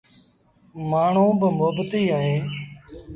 مآڻهوٚݩ با مهبتيٚ اهيݩ۔